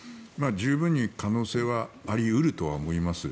十分に可能性はあり得るとは思います。